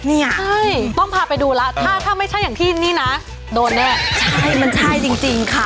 ใส่ต้องพาไปดูแล้วถ้าไม่ใช่อย่างที่นี่นะโดนเลยใช่มันใช่จริงค่ะ